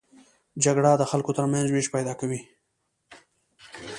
جګړه د خلکو تر منځ وېش پیدا کوي